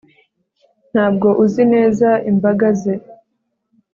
Ntabwo uzi neza imbaga ze